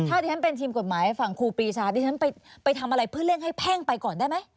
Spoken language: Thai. ถ้าที่ฉันเป็นทีมกฎหมายฝั่งครูปีชาดิฉันไปทำอะไรเพื่อเร่งให้แพ่งไปก่อนได้ไหม